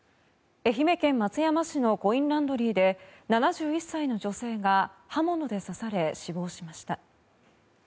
愛媛県松山市のコインランドリーで７１歳の女性が刃物で刺され死亡しました。